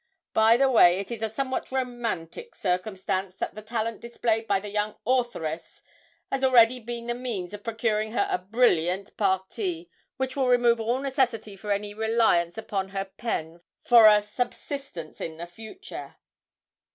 By the way, it is a somewhat romantic circumstance, that the talent displayed by the young authoress has already been the means of procuring her a brilliant parti, which will remove all necessity for any reliance upon her pen for a subsistence in the future.